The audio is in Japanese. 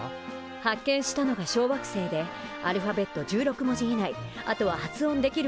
発見したのが小惑星でアルファベット１６文字以内あとは発音できるものならね